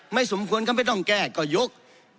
สมควรก็ไม่ต้องแก้ก็ยก